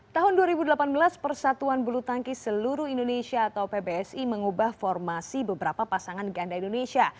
tahun dua ribu delapan belas persatuan bulu tangkis seluruh indonesia atau pbsi mengubah formasi beberapa pasangan ganda indonesia